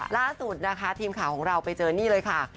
ล่าสุดนะคะทีมข่าวของเราไปเจอนี่เลยค่ะ